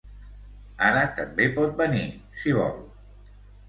Ara també pot venir, si vol.